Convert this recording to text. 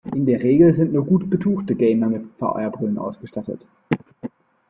In der Regel sind nur gut betuchte Gamer mit VR-Brillen ausgestattet.